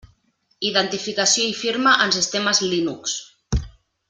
Identificació i firma en sistemes Linux.